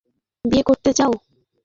তো, তুমি রুপালিকে বিয়ে করতে চাও?